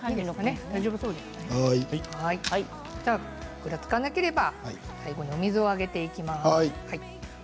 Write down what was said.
ぐらつかなければ最後にお水をあげていきます。